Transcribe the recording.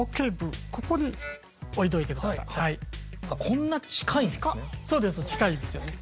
こんな近いんですね。